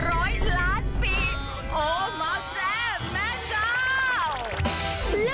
โอ้มอเจ้าแม่เจ้า